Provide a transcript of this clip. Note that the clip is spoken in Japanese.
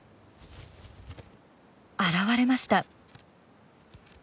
現れました。